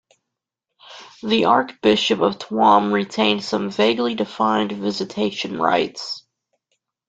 The Archbishop of Tuam retained some vaguely defined visitation rights.